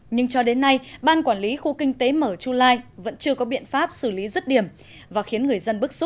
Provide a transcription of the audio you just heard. nhưng cho đến nay ban quản lý khu kinh tế mở chu lai vẫn chưa có biện pháp xử lý rứt điểm và khiến người dân bức xúc